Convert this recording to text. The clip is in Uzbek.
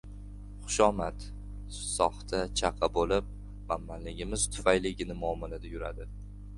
Xushomad — soxta chaqa bo‘lib, manmanligimiz tufayligina mUomalada yuradi.